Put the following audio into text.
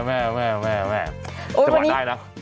แม่แม่แม่แม่สบัดได้นะ